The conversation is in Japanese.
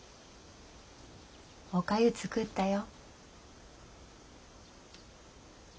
おかゆ作ったよ。